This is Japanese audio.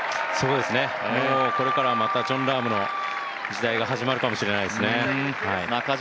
もうこれからまたジョン・ラームの時代が始まるかもしれないですね。